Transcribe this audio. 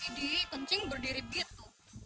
idih kencing berdiri beet tuh